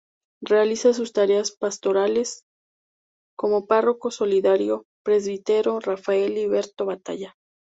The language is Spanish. Realiza sus tareas pastorales como Párroco Solidario: Presbítero Rafael Liberto Batalla.